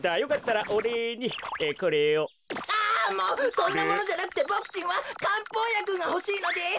そんなものじゃなくてボクちんはかんぽうやくがほしいのです。